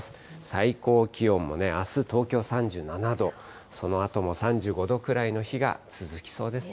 最高気温もあす、東京３７度、そのあとも３５度ぐらいの日が続きそうですね。